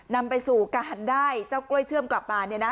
นำไปสู่การได้เจ้ากล้วยเชื่อมกลับมา